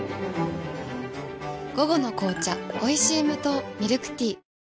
午後の紅茶おいしい無糖ミルクティー